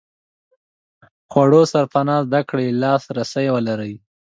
خوړو سرپناه زده کړې لاس رسي ولري.